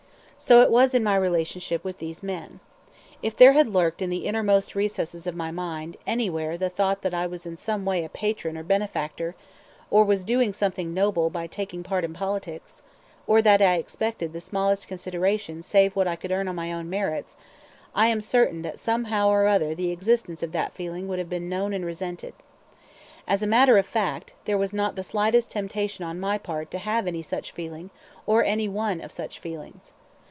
So it was in my relationship with these men. If there had lurked in the innermost recesses of my mind anywhere the thought that I was in some way a patron or a benefactor, or was doing something noble by taking part in politics, or that I expected the smallest consideration save what I could earn on my own merits, I am certain that somehow or other the existence of that feeling would have been known and resented. As a matter of fact, there was not the slightest temptation on my part to have any such feeling or any one of such feelings.